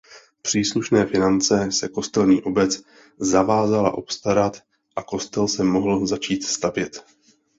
Příslušné finance se kostelní obec zavázala obstarat a kostel se mohl začít stavět.